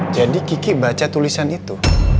jadi kiki baca tulisan itu